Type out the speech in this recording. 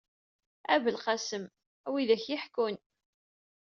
A belqasem! Wi ad k-yeḥkun.